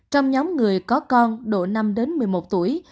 trong nhóm người có con độ năm đến một mươi một tuổi